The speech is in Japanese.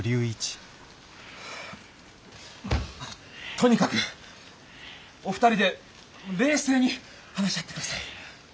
とにかくお二人で冷静に話し合って下さい。